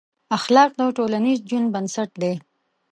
اخلاق د ټولنیز ژوند بنسټ دی.